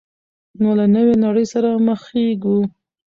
نو له نوې نړۍ سره مخېږو.